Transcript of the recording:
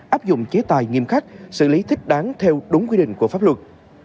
áp dụng chế tài nghiêm khắc xử lý thích đáng theo đúng quy định của pháp luật